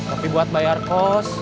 tapi buat bayar kos